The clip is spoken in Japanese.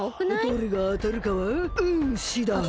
どれがあたるかはうんしだい！